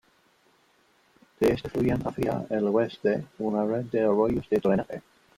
De este fluyen hacia el oeste una red de arroyos de drenaje.